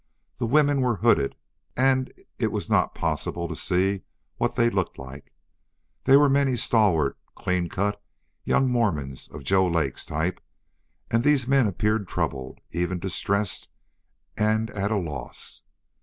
The women were hooded and it was not possible to see what they looked like. There were many stalwart, clean cut, young Mormons of Joe Lake's type, and these men appeared troubled, even distressed and at a loss.